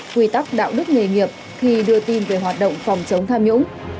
quy tắc đạo đức nghề nghiệp khi đưa tin về hoạt động phòng chống tham nhũng